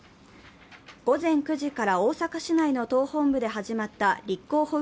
午前９時から大阪市内の党本部で始まった立候補